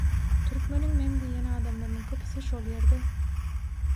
türkmeniň men diýen adamlarynyň köpüsi şol ýerde.